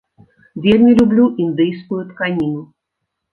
Вельмі люблю індыйскую тканіну.